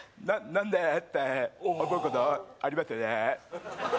「何で？」って思うことありますよね